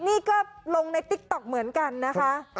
นี่ก็ลงในติ๊กต๊อกเหมือนกันนะคะ